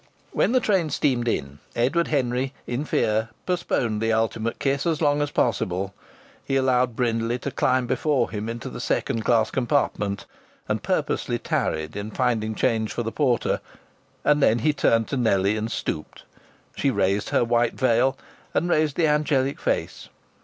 When the train steamed in, Edward Henry, in fear, postponed the ultimate kiss as long as possible. He allowed Brindley to climb before him into the second class compartment, and purposely tarried in finding change for the porter; and then he turned to Nellie and stooped. She raised her white veil and raised the angelic face.